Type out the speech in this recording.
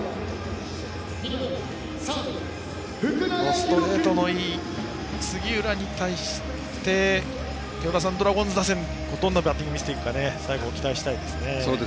ストレートのいい杉浦に対して与田さん、ドラゴンズ打線どんなバッティングを見せていくか最後、期待したいですね。